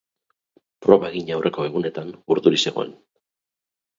Proba egin aurreko egunetan urduri zegoen.